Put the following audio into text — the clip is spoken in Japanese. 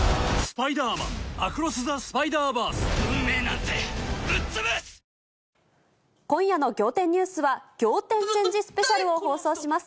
「はだおもいオーガニック」今夜の仰天ニュースは、仰天チェンジスペシャルを放送します。